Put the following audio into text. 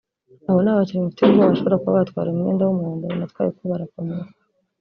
Abo ni abakinnyi mfitiye ubwoba bashobora kuba batwara uyu mwenda w’umuhondo natwaye kuko barakomeye